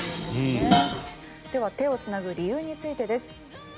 では手をつなぐ理由についてです。